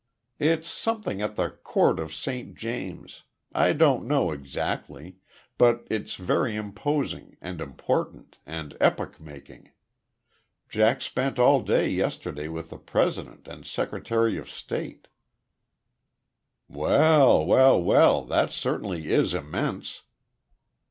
"It's something at the Court of St. James. I don't know exactly; but it's very imposing, and important, and epoch making. Jack spent all day yesterday with the President and Secretary of State." "Well, well, well! That certainly is immense!"